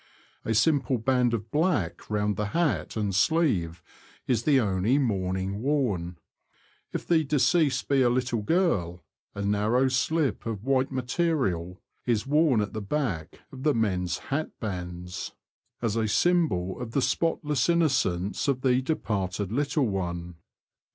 A simple band of black round the hat and sleeve is the only mourning worn. If the deceased be a little girl, a narrow slip of white material is worn at the back of the men's hat bands, 264 THE LAND OF THE BROADS. as a symbol of the spotless innocence of the departed little one.